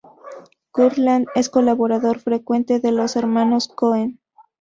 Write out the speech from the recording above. Kurland es colaborador frecuente de los hermanos Coen.